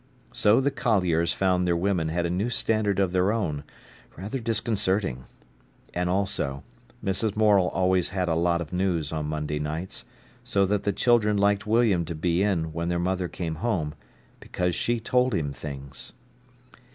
So the colliers found their women had a new standard of their own, rather disconcerting. And also, Mrs. Morel always had a lot of news on Monday nights, so that the children liked William to be in when their mother came home, because she told him things.